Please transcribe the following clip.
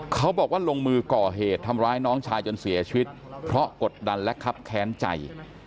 เขาบอกว่าลงมือก่อเหตุทำร้ายน้องชายจนเสียชีวิตเพราะกดดันและคับแค้นใจ